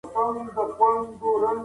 باران د بزګرانو لپاره یو لویه خوشحالي ده.